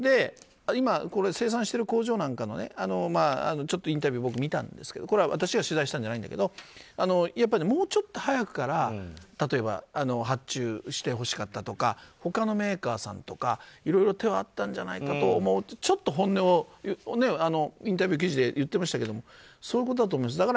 今生産してる工場もあるインタビューを僕、見たんですけど私が取材したんじゃないけどやっぱりもうちょっと早くから例えば、発注してほしかったとか他のメーカーさんとかいろいろ手はあったんじゃないかと思うとちょっと本音をインタビュー記事で言っていましたけどそういうことだと思うんです。